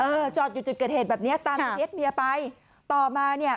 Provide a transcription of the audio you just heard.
เออจอดอยู่จุดเกิดเหตุแบบเนี้ยตามเมียไปต่อมาเนี้ย